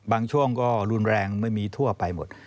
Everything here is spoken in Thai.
ช่วงก็รุนแรงไม่มีทั่วไปหมด